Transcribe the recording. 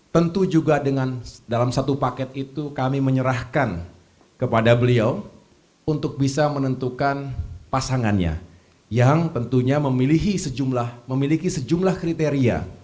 tentu juga dengan dalam satu paket itu kami menyerahkan kepada beliau untuk bisa menentukan pasangannya yang tentunya memiliki sejumlah memiliki sejumlah kriteria